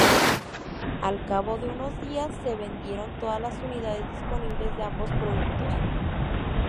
Al cabo de unos días, se vendieron todas las unidades disponibles de ambos productos.